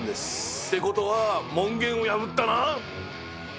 ってことは門限を破ったな？